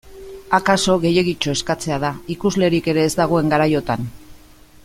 Akaso gehiegitxo eskatzea da, ikuslerik ere ez dagoen garaiotan.